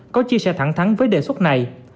có chia sẻ thẳng thắng với đề xuất này